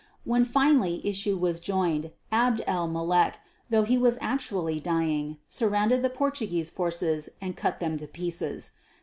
When finally issue was joined, Abd el Mulek, though he was actually dying, surrounded the Portuguese forces and cut them to pieces.